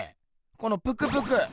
このプクプク。